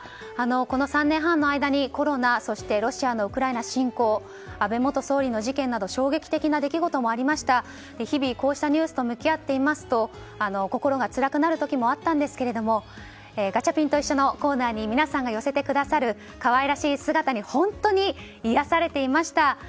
この３年半の間にコロナ、ロシアのウクライナ侵攻安倍元総理の事件など衝撃的な事件もありました日々、こうしたニュースと向き合っていますと心がつらくなる時もあったんですけどガチャピンといっしょ！のコーナーに皆さんが寄せてくださる可愛らしい姿に本当に癒やされていました。